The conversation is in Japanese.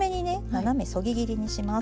斜めそぎ切りにします。